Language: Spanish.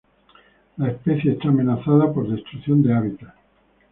La especie esta amenazada por destrucción de hábitat.